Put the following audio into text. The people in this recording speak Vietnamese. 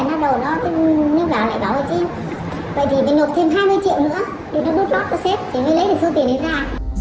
xong cái là nó đổ nó nó bảo lại bảo vậy chứ vậy thì mình nộp thêm hai mươi triệu nữa thì nó bút lót nó xếp thì mới lấy được số tiền đấy ra